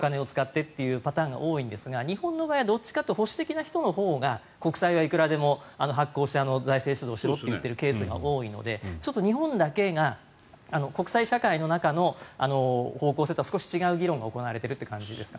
かつ、アメリカだとというか世界各国では保守派の人が政府は質素にで、リベラル派の人がお金を使ってというパターンが多いんですが、日本の場合はどっちかというと保守的な人のほうが国債をいくらでも発行して財政出動しろと言っている人が多いので日本だけが国際社会の中の方向性とは少し違う議論が行われているという感じですね。